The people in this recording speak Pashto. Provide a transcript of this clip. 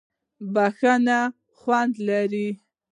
بښنه خوند لري.